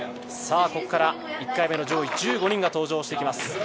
ここから１回目の上位１５人が登場してきます。